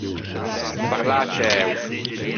Parlâ ciæo.